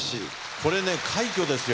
これね快挙ですよ